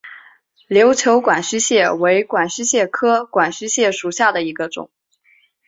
琉球管须蟹为管须蟹科管须蟹属下的一个种。